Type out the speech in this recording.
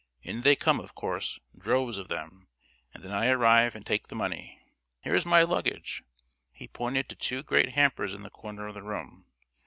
In they come of course, droves of them, and then I arrive and take the money. Here's my luggage!" he pointed to two great hampers in the corner of the room.